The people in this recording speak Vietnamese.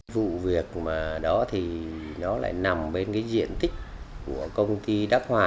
vụ việc đó thì nó lại nằm bên cái diện tích của công ty đức hòa